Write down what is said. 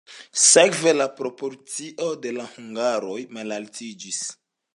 Sekve proporcio de la hungaroj malaltiĝis.